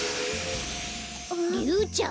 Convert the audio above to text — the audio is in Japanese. リュウちゃん？